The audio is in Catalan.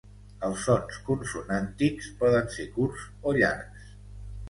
Els sons consonàntics poden ser curts o llargs.